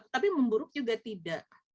tapi memburuk juga tidak